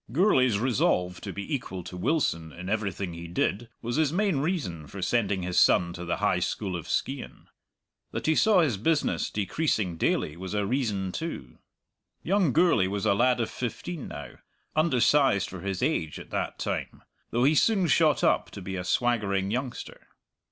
Gourlay's resolve to be equal to Wilson in everything he did was his main reason for sending his son to the High School of Skeighan. That he saw his business decreasing daily was a reason too. Young Gourlay was a lad of fifteen now, undersized for his age at that time, though he soon shot up to be a swaggering youngster.